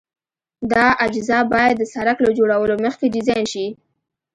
دا اجزا باید د سرک له جوړولو مخکې ډیزاین شي